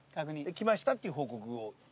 来ましたっていう報告を。